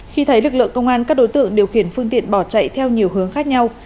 khi thấy lực lượng công an các đối tượng điều khiển phương tiện bỏ chạy theo nhiều hướng khác nhau